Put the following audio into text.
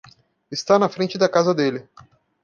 Está na frente da casa dele.